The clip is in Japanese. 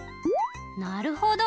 なるほど。